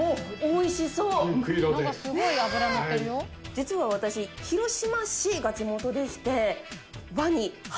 実は私広島市が地元でして。